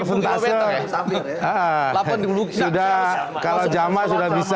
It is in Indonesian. kalau jama sudah bisa